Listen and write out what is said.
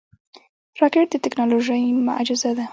راکټ د ټکنالوژۍ معجزه ده